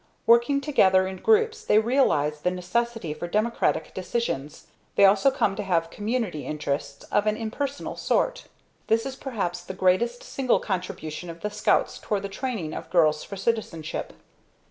Working together in groups they realize the necessity for democratic decisions. They also come to have community interests of an impersonal sort. This is perhaps the greatest single contribution of the Scouts toward the training of girls for citizenship.